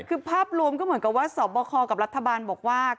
คือภาพรวมก็เหมือนกับว่าสอบคอกับรัฐบาลบอกว่า